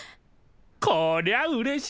こりゃうれしい！